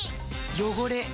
汚れ。